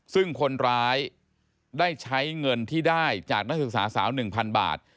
ซึ่งคนร้ายได้ใช้เงินที่ได้จากนักศึกษาสาว๑๐๐๐บาท